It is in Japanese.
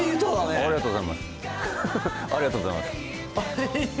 ありがとうございます